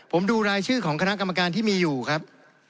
ผมดูรายชื่อของคณะกรรมการที่มีอยู่ครับ